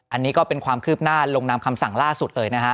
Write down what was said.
อันนี้ก็เป็นความคืบหน้าลงนามคำสั่งล่าสุดเลยนะฮะ